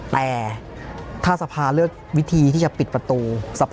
แต่ถ้าสภาเลือกวิธีที่จะปิดประตูสภา